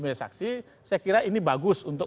menyaksikan saya kira ini bagus untuk